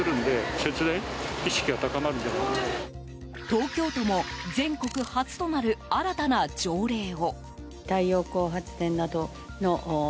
東京都も全国初となる新たな条例を。